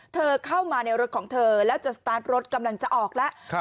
เข้ามาในรถของเธอแล้วจะสตาร์ทรถกำลังจะออกแล้ว